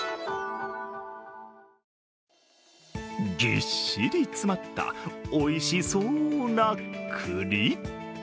ぎっしり詰まった、おいしそうな栗。